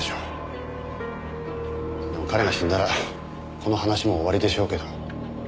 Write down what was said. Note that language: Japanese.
でも彼が死んだらこの話も終わりでしょうけど。